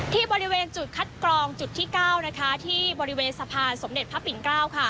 ที่บริเวณจุดคัดกรองจุดที่๙ที่บริเวณสะพานสมเด็จพระปิ่น๙